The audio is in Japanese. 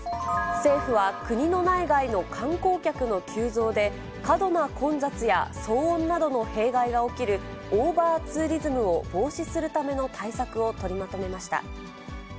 政府は国の内外の観光客の急増で、過度な混雑や騒音などの弊害が起きる、オーバーツーリズムを防止するための対策を取りまとめました。